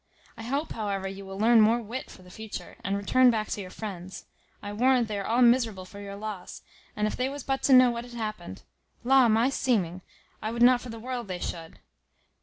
I hope, however, you will learn more wit for the future, and return back to your friends; I warrant they are all miserable for your loss; and if they was but to know what had happened La, my seeming! I would not for the world they should.